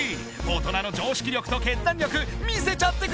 大人の常識力と決断力見せちゃってください！